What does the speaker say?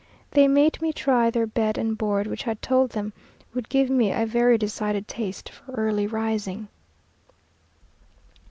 They made me try their bed and board, which I told them would give me a very decided taste for early rising.